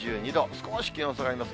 少し気温下がります。